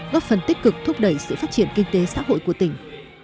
góp phần tích cực thúc đẩy sự phát triển kinh tế xã hội của tỉnh